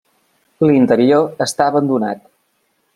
L'interior està abandonat.